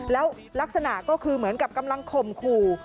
แล้วลักษณะก็คือเหมือนกับกำลังข่มขู่